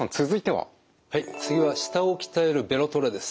はい次は舌を鍛えるベロトレです。